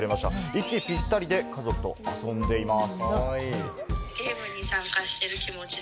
息ぴったりで家族と遊んでいます。